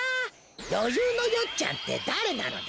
よゆうのよっちゃんってだれなのだ！